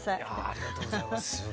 ありがとうございます。